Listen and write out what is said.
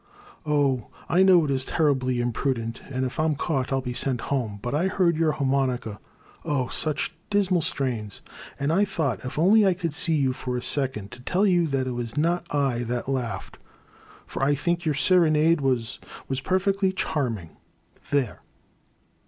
Oh, I know it is terribly imprudent, and if I *m caught I * 11 be sent home, but I heard your harmonica — oh, such dismal strains !— and I thought if only I could see you for a second to tell you that it was not I that laughed, for I think your serenade was — was perfectly charming — there